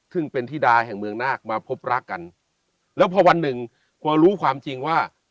ซึ่งเป็นธิดาแห่งเมืองนาคมาพบรักกันแล้วพอวันหนึ่งพอรู้ความจริงว่า